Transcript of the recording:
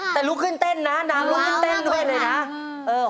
แต่ลุกขึ้นเต้นนะนางลุกขึ้นเต้นด้วยเลยนะ